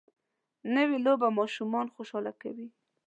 نوې لوبه ماشومان خوشحاله کوي